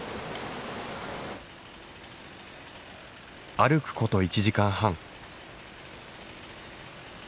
歩くこと１時間半。